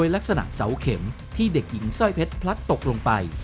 ลักษณะเสาเข็มที่เด็กหญิงสร้อยเพชรพลัดตกลงไป